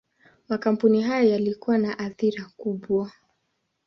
Makampuni haya yalikuwa na athira kubwa.